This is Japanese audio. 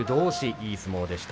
いい相撲でした。